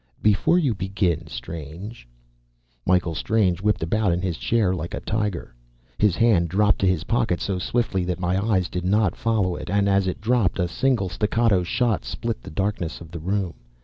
"Before you begin, Strange " Michael Strange whipped about in his chair like a tiger. His hand dropped to his pocket, so swiftly that my eyes did not follow it. And as it dropped, a single staccato shot split the darkness of the room.